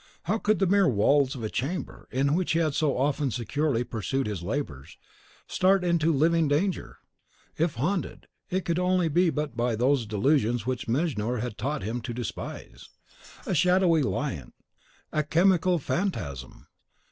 How could the mere walls of a chamber, in which he had so often securely pursued his labours, start into living danger? If haunted, it could be but by those delusions which Mejnour had taught him to despise, a shadowy lion, a chemical phantasm!